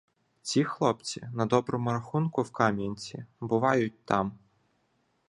Ці хлопці на доброму рахунку в Кам'янці, бувають там